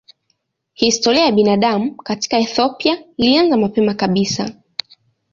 Historia ya binadamu katika Ethiopia ilianza mapema kabisa.